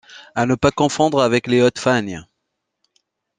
À ne pas confondre avec les Hautes-Fagnes.